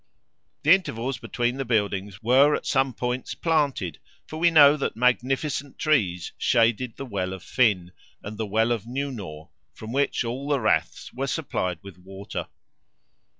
The intervals between the buildings were at some points planted, for we know that magnificent trees shaded the well of Finn, and the well of Newnaw, from which all the raths were supplied with water.